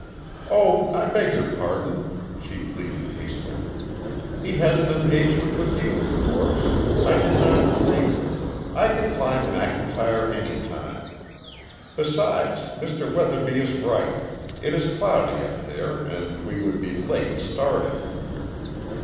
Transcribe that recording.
"Oh, I beg your pardon!" she pleaded hastily. "He has an engagement with you, of course. I did not think I can climb McIntyre any time. Besides, Mr. Weatherby is right. It is cloudy up there, and we would be late starting."